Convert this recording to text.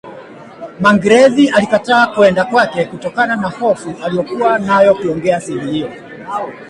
Magreth alikataa kwenda kwake kutokana na hofu alokua nayo kuongea siri hiyo